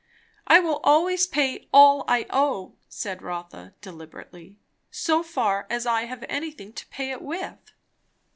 "I will always pay all I owe," said Rotha deliberately, "so far as I have anything to pay it with."